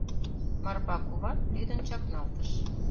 Марпа куват лӱдын чакналтыш.